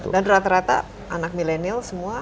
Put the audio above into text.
dan rata rata anak milenial semua